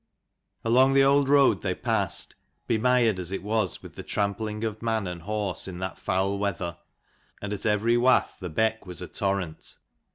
Along the old road they passed, bemired as it was with the trampling of man and horse in that foul weather, and at every wath the beck was a torrent.